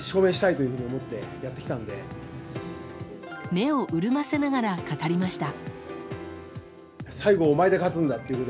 目を潤ませながら語りました。